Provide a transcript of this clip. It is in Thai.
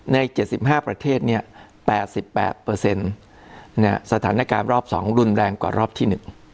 ใน๗๕ประเทศ๘๘เปอร์เซ็นต์สถานการณ์รอบ๒รุ่นแรงกว่ารอบที่๑